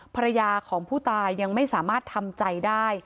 ภรรยาของผู้ตายยังไม่สามารถทำใจได้